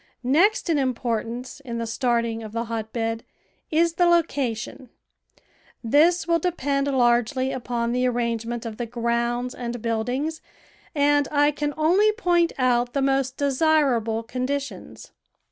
Next in importance in the starting of the hot bed is the location; this will depend largely upon the arrangement of the grounds and buildings, and I can only point out the most desirable condi tions.